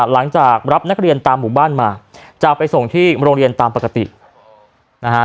รับนักเรียนตามหมู่บ้านมาจะไปส่งที่โรงเรียนตามปกตินะฮะ